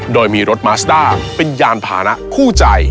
โดยมีรถมาสด้าเป็นยานพานะคู่ใจ